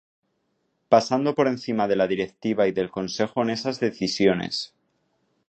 Pasando por encima de la directiva y del consejo en esas decisiones.